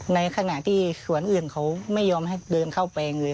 ในขณะที่สวนอื่นเขาไม่ยอมให้เดินเข้าไปเลย